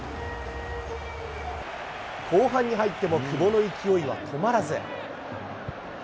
後半に入っても、久保の勢いは止まらず。